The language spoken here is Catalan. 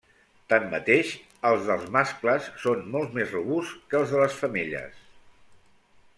Tanmateix, els dels mascles són molt més robusts que els de les femelles.